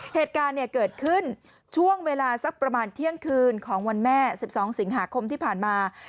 เหตุการณ์เกิดขึ้นช่วงเวลาสักประมาณเที่ยงคืนของวันแม่๑๒สิงหาคมที่ผ่านมา